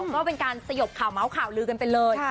ก็เป็นการสยบข่าวเมาส์ข่าวลือกันไปเลย